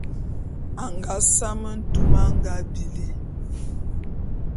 A nga same ntume a nga bili.